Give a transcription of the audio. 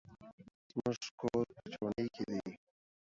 زموژ کور د ویالی په غاړه دی